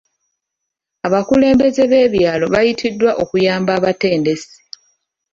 Abakulembeze b'ebyalo bayitiddwa okuyamba abatendesi.